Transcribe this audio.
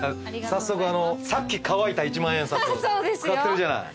早速さっき乾いた１万円札使ってるじゃない。